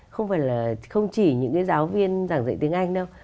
không chỉ những cái giáo viên giảng dạy tiếng anh đâu